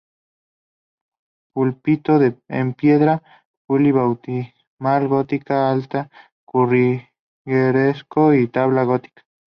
Púlpito en piedra, pila bautismal gótica, altar churrigueresco y tablas góticas.